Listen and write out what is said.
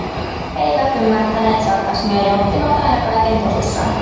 He eivät ymmärtäneet sarkasmia ja ottivat aina kaiken tosissaan.